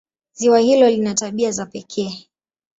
Ziwa hilo lina tabia za pekee.